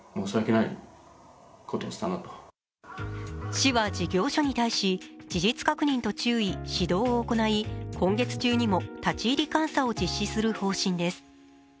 市は事業所に対し、事実確認と注意、指導を行い今月中にも立ち入り監査を実施する方針です。